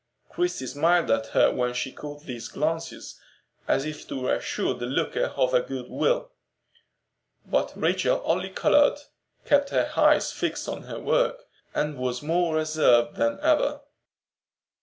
Christie smiled at her when she caught these glances, as if to reassure the looker of her good will. But Rachel only colored, kept her eyes fixed on her work, and was more reserved than ever.